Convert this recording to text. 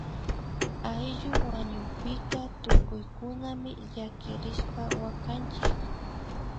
Ayllu wañukpika tukuykunami llakirishpa wakanchik